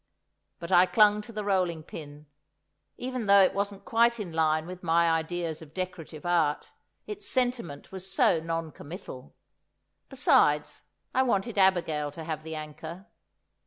But I clung to the rolling pin; even though it wasn't quite in line with my ideas of decorative art, its sentiment was so non committal! Besides, I wanted Abigail to have the anchor.